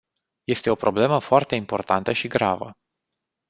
Este o problemă foarte importantă și gravă.